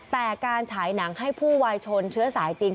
แต่การฉายหนังให้ผู้วายชนเชื้อสายจริง